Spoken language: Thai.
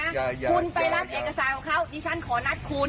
แล้วเค้านัดกับผมแล้วอันนี้ท่านขอนัดคุณ